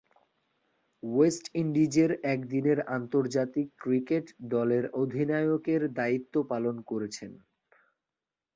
West ইন্ডিজের একদিনের আন্তর্জাতিক ক্রিকেট দলের অধিনায়কের দায়িত্ব পালন করেছেন।